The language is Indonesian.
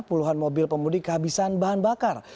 puluhan mobil pemudik kehabisan bahan bakar